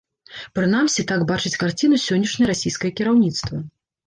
Прынамсі так бачыць карціну сённяшняе расійскае кіраўніцтва.